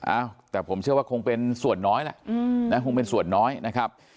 อ้าวแต่ผมเชื่อว่าคงเป็นส่วนน้อยแหละนะคงเป็นส่วนน้อยนะครับ